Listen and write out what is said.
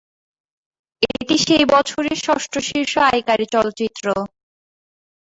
এটি সেই বছরের ষষ্ঠ শীর্ষ আয়কারী চলচ্চিত্র।